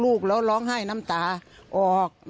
มีมนุษยสัมพันธ์ที่ดีกับประชาชนทุกคน